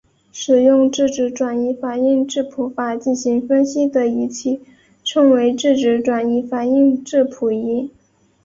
使用质子转移反应质谱法进行分析的仪器称为质子转移反应质谱仪。